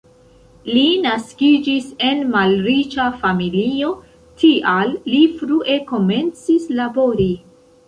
Li naskiĝis en malriĉa familio, tial li frue komencis labori.